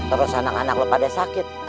terus anak anak lo pada sakit